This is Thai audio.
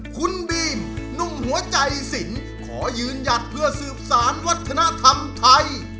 คุณบีมนุ่มหัวใจสินขอยืนหยัดเพื่อสืบสารวัฒนธรรมไทย